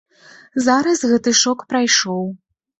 Зараз гэты шок прайшоў.